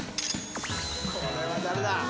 これは誰だ